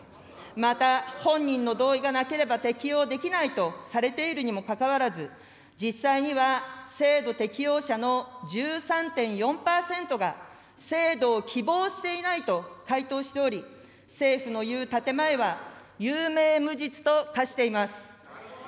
また本人の同意がなければ適用できないとされているにもかかわらず、実際には制度適用者の１３．４％が、制度を希望していないと回答しており、政府のいう建て前は、有名無実と化しています。